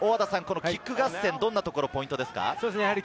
キック合戦、どんなところがポイントですか？